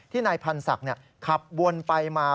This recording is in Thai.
ที่นายพรรษักขับวนไปมา